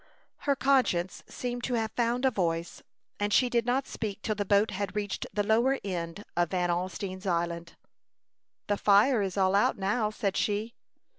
Her conscience seemed to have found a voice, and she did not speak till the boat had reached the lower end of Van Alstine's Island. "The fire is all out now," said she.